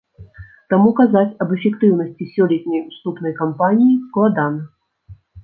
Таму казаць аб эфектыўнасці сёлетняй уступнай кампаніі складана.